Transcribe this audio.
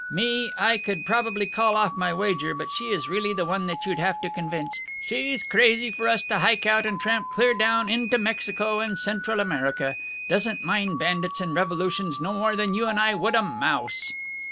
Me, I could probably call off my wager; but she is really the one that you'd have to convince. She's crazy for us to hike out and tramp clear down into Mexico and Central America. Doesn't mind bandits and revolutions no more than you and I would a mouse."